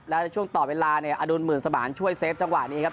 แล้วในช่วงต่อเวลาเนี่ยอดุลหมื่นสมานช่วยเซฟจังหวะนี้ครับ